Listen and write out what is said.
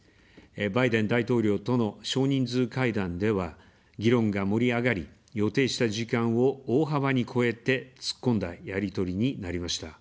バイデン大統領との少人数会談では、議論が盛り上がり、予定した時間を大幅に超えて、突っ込んだやり取りになりました。